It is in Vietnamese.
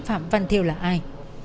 phạm văn thiêu là ai